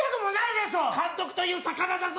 監督という魚だぞ！